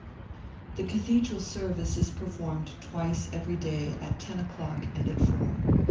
The Cathedral service is performed twice every day at ten o'clock and at four.